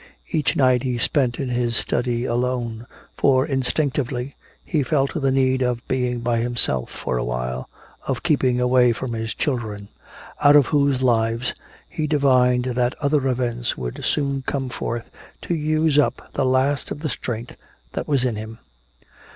Each night he spent in his study alone, for instinctively he felt the need of being by himself for a while, of keeping away from his children out of whose lives he divined that other events would soon come forth to use up the last of the strength that was in him.